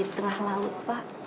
di tengah laut pak